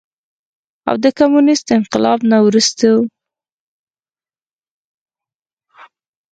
او د کميونسټ انقلاب نه وروستو